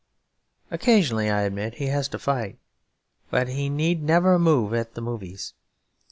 Occasionally, I admit, he has to fight; but he need never move at the movies.